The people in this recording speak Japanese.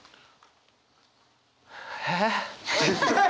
えっ。